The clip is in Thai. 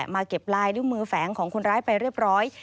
เก็บลายนิ้วมือแฝงของคนร้ายไปเรียบร้อย